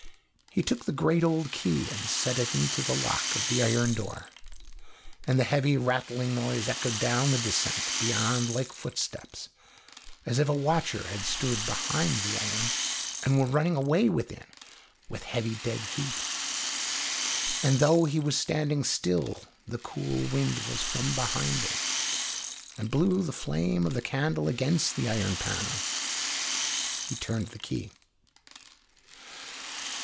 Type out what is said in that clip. He took the great old key and set it into the lock of the iron door; and the heavy, rattling noise echoed down the descent beyond like footsteps, as if a watcher had stood behind the iron and were running away within, with heavy dead feet. And though he was standing still, the cool wind was from behind him, and blew the flame of the candle against the iron panel. He turned the key.